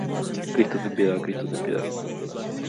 Cristo ten piedad. Cristo ten piedad.